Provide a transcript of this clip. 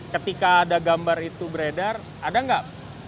ketika ada gambar itu beredar ada nggak